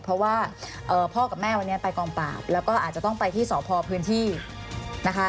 เพราะว่าพ่อกับแม่วันนี้ไปกองปราบแล้วก็อาจจะต้องไปที่สพพื้นที่นะคะ